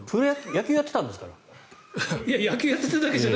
野球をやっていたんですから。